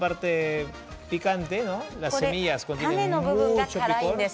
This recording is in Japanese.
種の部分が辛いんです。